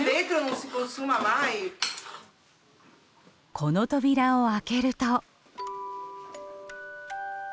この扉を開けると。